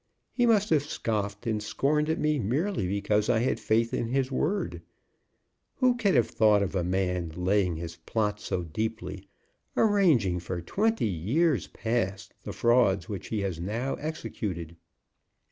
He must have scoffed and scorned at me merely because I had faith in his word. Who could have thought of a man laying his plots so deeply, arranging for twenty years past the frauds which he has now executed?